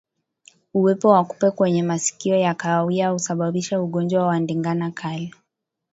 Uwepo wa kupe wenye masikio ya kahawia husababisha ugonjwa wa ndigana kali